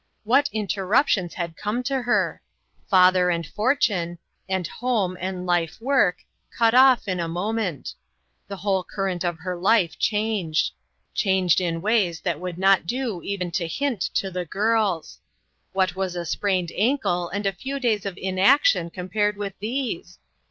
What interruptions had come to her ! Father and fortune, and ISO INTERRUPTED. home, and life work, cut off in a moment; the whole current of her life changed; changed in ways that would not do even to hint to the girls ; what was a sprained ankle and a few days of inaction compared with these